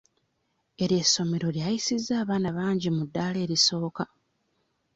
Eryo essomero lyayisizza abaana bangi mu ddaala erisooka.